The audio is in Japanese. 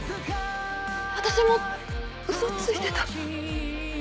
私も嘘ついてた。